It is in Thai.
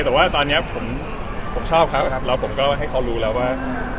แต่ว่าตอนนี้ผมชอบเขาครับแล้วผมก็ให้เขารู้แล้วว่า